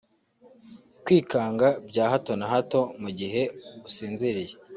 Kwikanga bya hato na hato mu gihe usinziriye